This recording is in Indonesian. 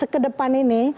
ke depan ini